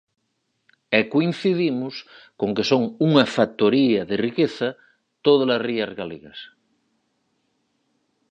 E coincidimos con que son unha factoría de riqueza todas as rías galegas.